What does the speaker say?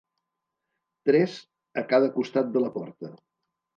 Tres a cada costat de la porta.